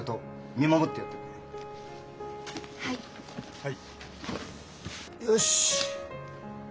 はい。